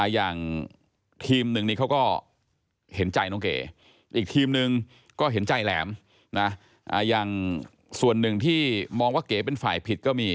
อย่างทีมหนึ่งนี้เขาก็เห็นใจน้องเก๋อีกทีมนึงก็เห็นใจแหลมนะอย่างส่วนหนึ่งที่มองว่าเก๋เป็นฝ่ายผิดก็มี